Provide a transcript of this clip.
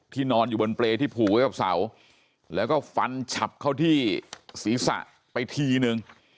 นอนอยู่บนเปรย์ที่ผูกไว้กับเสาแล้วก็ฟันฉับเข้าที่ศีรษะไปทีนึง